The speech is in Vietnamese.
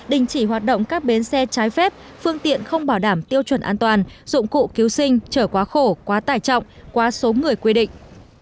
đình chỉ hoạt động các bến xe trái phép phương tiện không bảo đảm tiêu chuẩn an toàn dụng cụ cứu sinh trở quá khổ quá tải trọng quá số người quy định